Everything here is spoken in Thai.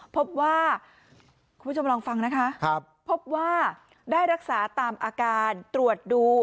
คุณผู้ชมลองฟังนะคะพบว่าได้รักษาตามอาการตรวจดู